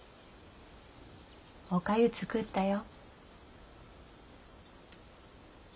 おかゆ作ったよ。